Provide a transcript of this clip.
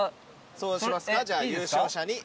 そうしますか？